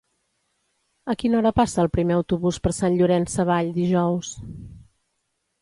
A quina hora passa el primer autobús per Sant Llorenç Savall dijous?